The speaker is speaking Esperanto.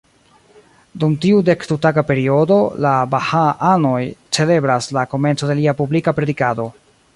Dum tiu dekdu-taga periodo, la baha-anoj celebras la komenco de lia publika predikado.